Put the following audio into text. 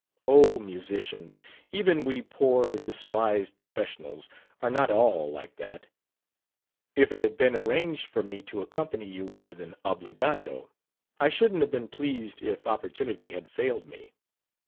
"Oh, musicians even we poor, despised professionals are not all like that. If it had been arranged for me to accompany you with an obbligato, I shouldn't have been pleased if opportunity had failed me."